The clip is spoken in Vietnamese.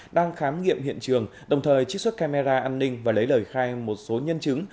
đang khám nghiệm hiện trường đồng thời trích xuất camera an ninh và lấy lời khai một số nhân chứng